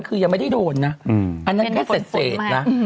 คือยังไม่ได้โดนนะอันนั้นแค่เศษนะ